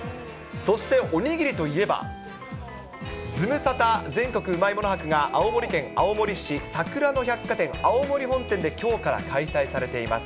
そしておにぎりといえば、ズムサタ全国うまいもの博が、青森県青森市、さくら野百貨店青森本店できょうから開催されています。